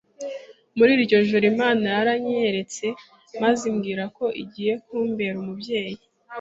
Muri iryo joro Imana yaranyiyeretse maze imbwira ko igiye kumbera umubyeyi